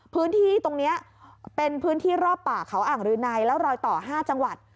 พื้นที่ตรงนี้เป็นพื้นที่รอบป่าเขาอ่างรืนัยแล้วรอยต่อ๕จังหวัด